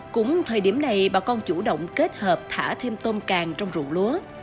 cũng thời điểm này bà con chủ động kết hợp thả thêm tôm càng trong rụng lúa